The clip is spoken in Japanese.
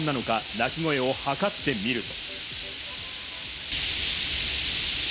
鳴き声を測ってみると。